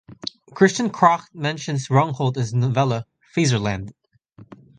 Christian Kracht mentions Rungholt in his novella "Faserland".